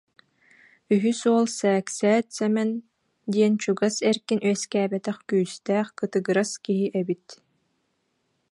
Үһүс уол Сээксээт Сэмэн диэн чугас эргин үөскээбэтэх күүстээх, кытыгырас киһи эбит